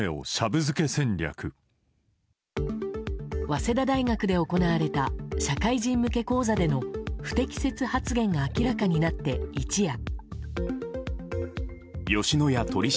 早稲田大学で行われた社会人向け講座での不適切発言が明らかになって一夜。